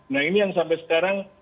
nah ini yang sampai sekarang